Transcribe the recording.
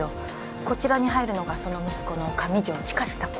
こちらに入るのがその息子の上条周志さん